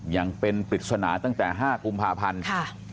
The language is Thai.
ยังเป็นปริศนาตั้งแต่๕กุมภาพันธ์